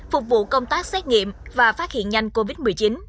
phục vụ công tác xét nghiệm và phát hiện nhanh covid một mươi chín